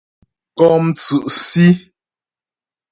Kɔ́ mtsʉ́' Sí.